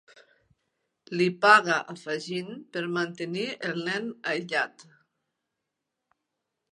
Li paga a Fagin per mantenir el nen aïllat.